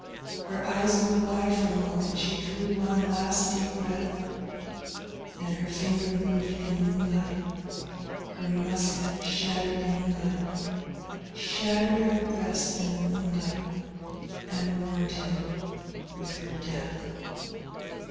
Her eyes grew wide for a moment; she drew one last deep breath, Then her finger moved in the moonlight, Her musket shattered the moonlight, Shattered her breast in the moonlight and warned him—with her death.